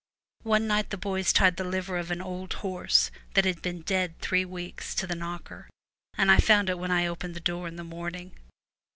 One night the boys tied the liver of an old horse, that had been dead three weeks, to the knocker, and I found it when I opened the door in the morning.'